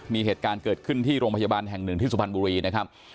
มีเหตุการณ์เกิดขึ้นที่โรงพยาบาลแห่ง๑สุพรรณบุรี